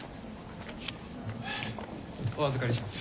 お預かりします。